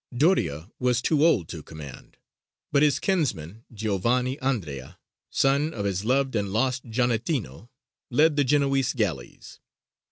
Doria was too old to command, but his kinsman, Giovanni Andrea, son of his loved and lost Giannettino, led the Genoese galleys.